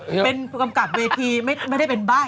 หนุ่มเป็นกำกัดเวทีไม่ได้เป็นใบ่